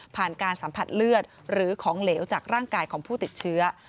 การสัมผัสเลือดหรือของเหลวจากร่างกายของผู้ติดเชื้อ